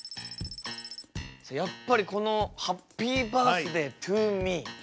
やっぱりこの「ハッピーバースデートゥーミー」。